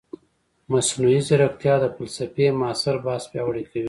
مصنوعي ځیرکتیا د فلسفې معاصر بحث پیاوړی کوي.